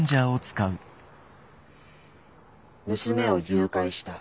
娘を誘拐した。